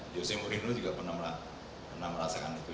jokowi dan jokowi jokowi juga pernah merasakan itu